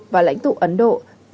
và lãnh tụ ấn độ